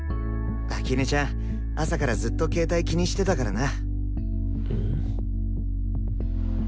秋音ちゃん朝からずっと携帯気にしてたからな。